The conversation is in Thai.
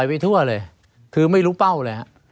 ไม่มีครับไม่มีครับ